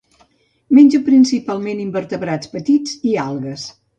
Menja principalment invertebrats petits i algues.